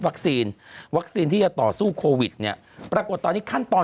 วัคซีนวัคซีนที่จะต่อสู้โควิดเนี่ยปรากฏตอนนี้ขั้นตอน